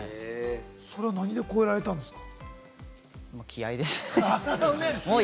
それは何で越えられたんですか？